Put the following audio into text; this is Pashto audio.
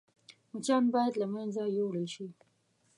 مچان باید له منځه يوړل شي